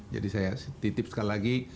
jadi saya titip sekali lagi